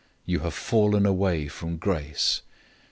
You have fallen away from grace.